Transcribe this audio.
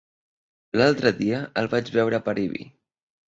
L'altre dia el vaig veure per Ibi.